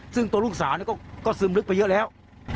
ซึ่งตัวลูกสาวก็ซึมลึกไปเยอะแล้ว